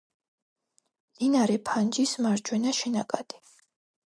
მდინარე ფანჯის მარჯვენა შენაკადი.